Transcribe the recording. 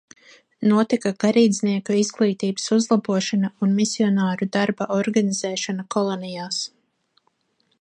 Notika garīdznieku izglītības uzlabošana un misionāru darba organizēšana kolonijās.